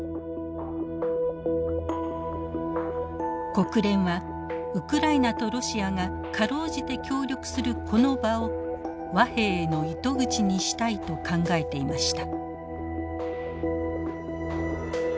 国連はウクライナとロシアが辛うじて協力するこの場を和平への糸口にしたいと考えていました。